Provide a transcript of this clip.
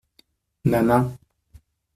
Ma main.